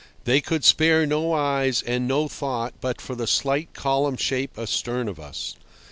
They could spare no eyes and no thought but for the slight column shape astern of us.